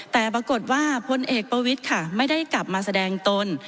แต่ปรากฏว่าพลเอกประวิทย์ค่ะไม่ได้กลับมาแสดงตน